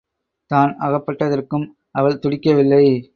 தான் அகப்பட்டதற்கும் அவள் துடிக்கவில்லை.